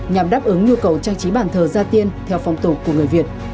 nhằm đáp ứng nhu cầu trang trí bàn thờ gia tiên theo phong tục của người việt